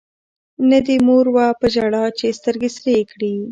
نه دي مور وه په ژړا چي سترګي سرې کړي